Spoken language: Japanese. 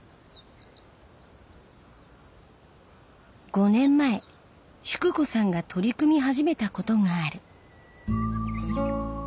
５年前淑子さんが取り組み始めたことがある。